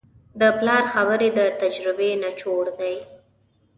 د پلار خبرې د تجربې نچوړ دی.